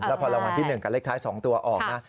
แล้วพอรางวัลที่๑กับเลขท้าย๒ตัวออกนะ